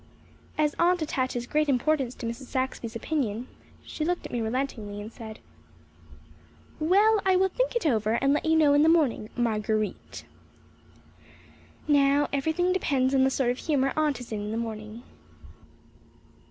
As Aunt attaches great importance to Mrs. Saxby's opinion, she looked at me relentingly and said: "Well, I will think it over and let you know in the morning, Marguer_ite_." Now, everything depends on the sort of humour Aunt is in in the morning.